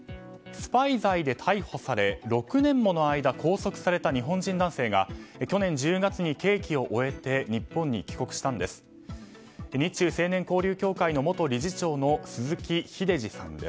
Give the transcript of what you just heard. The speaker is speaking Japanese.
スパイ罪で逮捕され６年もの間、拘束された日本人男性が去年１０月に刑期を終えて日本に帰国したんです。